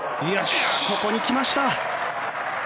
ここに来ました。